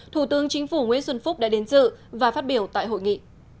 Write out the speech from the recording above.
thủ tướng chính phủ nguyễn xuân phúc đã đến dự và phát biểu tại hội nghị